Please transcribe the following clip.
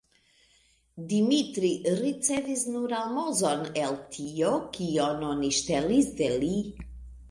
Dimitri ricevis nur almozon el tio, kion oni ŝtelis de li.